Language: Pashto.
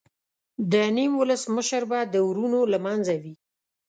د نیم ولس مشر به د ورونو له منځه وي.